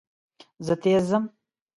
زه تېز ځم.